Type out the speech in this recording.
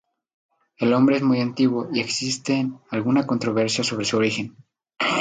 El nombre es muy antiguo y existen alguna controversia sobre su origen.